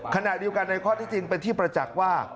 ขณะเดียวกันในข้อที่จริงเป็นที่ประจักษ์ว่า